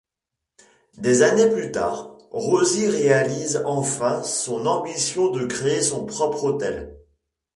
Des années plus tard, Rosie réalise enfin son ambition de créer son propre hôtel.